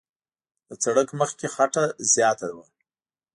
د سړک مخ کې خټه زیاته وه.